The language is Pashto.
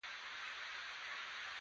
مېلمنو ته هرکلی وایه.